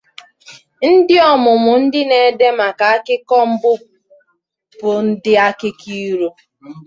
Ndi ọmúmú ndi ne dé màkà akíkó mbu bu ndi ákíkó irò.